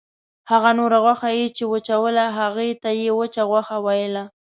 هغه نوره غوښه یې چې وچوله هغې ته یې وچه غوښه ویله.